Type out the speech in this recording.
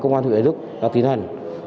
công an thủy hải đức đã tiến hành